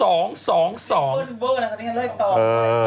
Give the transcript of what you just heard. โอเค